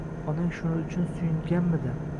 Onang shuning uchun suyunganmidi —